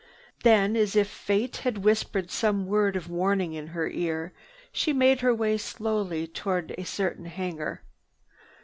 Then, as if Fate had whispered some word of warning in her ear, she made her way slowly toward a certain hangar.